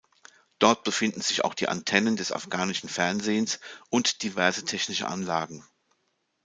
Dort befinden sich auch die Antennen des afghanischen Fernsehens und diverse technischen Anlagen.